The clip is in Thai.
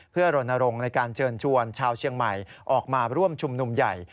เพื่อรณรงค์ในการเชิญชวนชาวเชียงใหม่ออกมาร่วมชุมนุมใหญ่